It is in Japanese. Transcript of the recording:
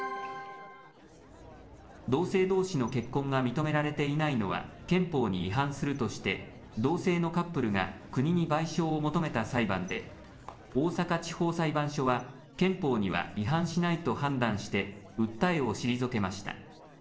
同性どうしの結婚が認められていないのは憲法に違反するとして、同性のカップルが国に賠償を求めた裁判で、大阪地方裁判所は、憲法には違反しないと判断して、訴えを退けました。